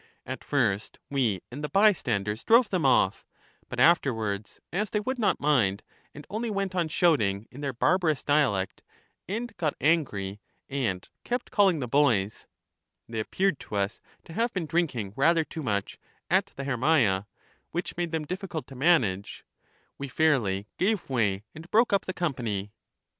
At first, we and the bystanders drove them off; but afterwards, as they would not mind, and only went on shouting in their barbarous dialect, and got angry, and kept calling the boys — they appeared to us to have been drinking rather too much at the Hermaea, which made them difficult to manage — we fairly gave way and broke up the company.